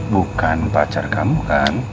bukan pacar kamu kan